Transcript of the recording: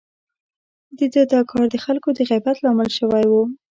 د ده دا کار د خلکو د غيبت لامل شوی و.